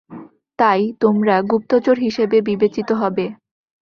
তাই, তোমরা গুপ্তচর হিসাবে বিবেচিত হবে।